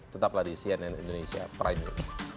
tetaplah di cnn indonesia prime news